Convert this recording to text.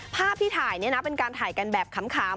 ภาพที่ถ่ายเป็นการถ่ายกันแบบขำ